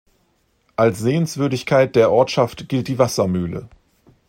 Als Sehenswürdigkeit der Ortschaft gilt die Wassermühle.